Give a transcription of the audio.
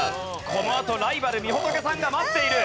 このあとライバルみほとけさんが待っている！